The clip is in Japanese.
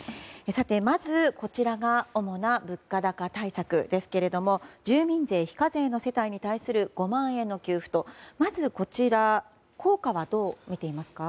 まず、こちらが主な物価高対策ですけれども住民税非課税の世帯に対する５万円の給付と、まずこちらの効果はどう見ていますか。